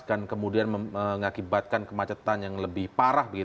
kan kemudian mengakibatkan kemacetan yang lebih parah begitu